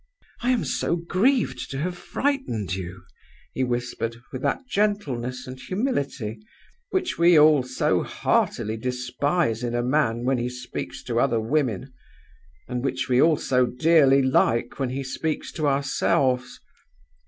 'I am so grieved to have frightened you,' he whispered, with that gentleness and humility which we all so heartily despise in a man when he speaks to other women, and which we all so dearly like when he speaks to ourselves.